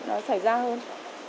nó xảy ra hơn